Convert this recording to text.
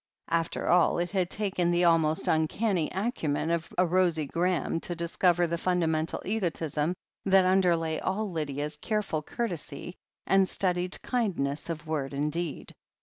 After all it had taken the almost uncanny acumen of a Rosie Graham to discover the fundamental egotism that underlay all Lydia's careful courtesy and studied kindness of word and deed.